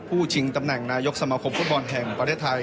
ชิงตำแหน่งนายกสมาคมฟุตบอลแห่งประเทศไทย